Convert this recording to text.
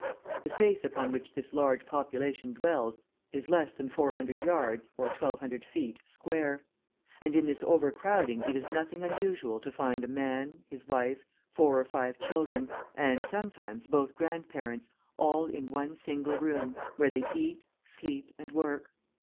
The space upon which this large population dwells, is less than 400 yards (1,200 feet) square, and in this overcrowding it is nothing unusual to find a man, his wife, four or five children, and, sometimes, both grandparents, all in one single room, where they eat, sleep, and work.